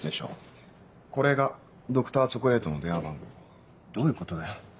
これがＤｒ．チョコレートの電話番号どういうことだよ